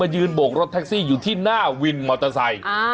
ยืนโบกรถแท็กซี่อยู่ที่หน้าวินมอเตอร์ไซค์